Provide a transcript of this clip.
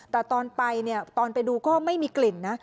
แต่ตอนไปเนี่ยตอนไปดูก็ไม่มีกลิ่นนะ